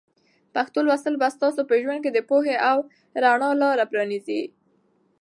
پښتو لوستل به ستاسو په ژوند کې د پوهې او رڼا لاره پرانیزي.